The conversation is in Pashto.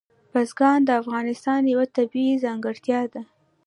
بزګان د افغانستان یوه طبیعي ځانګړتیا ده.